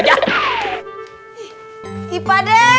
rangkaki suruh barang